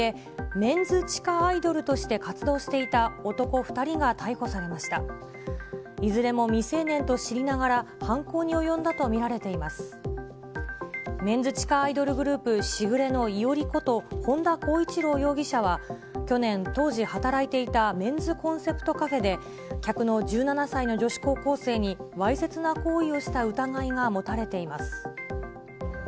メンズ地下アイドルグループ、時雨のいおりこと本田こういちろう容疑者は、去年、当時働いていたメンズコンセプトカフェで、客の１７歳の女子高校生に、わいせつな行為をした疑いが持たれています。